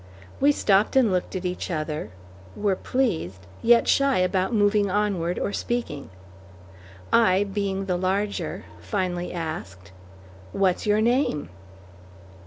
We stopped and looked at each other; were pleased, yet shy about moving onward or speaking. I, being the larger, finally asked, "What's your name?"